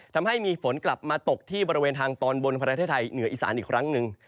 ทำให้มีฝนกลับมาตกที่บริเวณทางตอนบนประเทศไทยเหนืออีสานอีกครั้งหนึ่ง